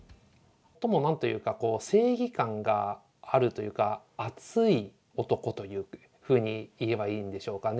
何と言うか正義感があるというか熱い男というふうにいえばいいんでしょうかね。